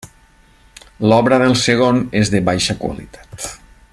L'obra del segon és de baixa qualitat.